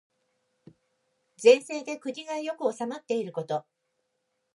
善政で国が良く治まっていること。